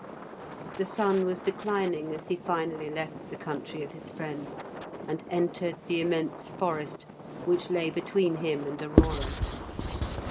The sun was declining as he finally left the country of his friends, and entered the immense forest which lay between him and Aurora.